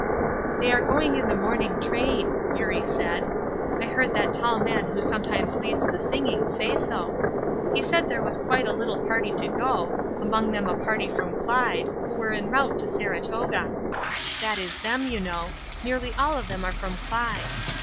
"They are going in the morning train," Eurie said; "I heard that tall man who sometimes leads the singing say so. He said there was quite a little party to go, among them a party from Clyde, who were en route for Saratoga. That is them, you know; nearly all of them are from Clyde.